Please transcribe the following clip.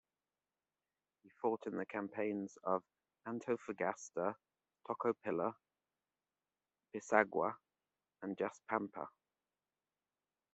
He fought in the campaigns of Antofagasta, Tocopilla, Pisagua and Jaspampa.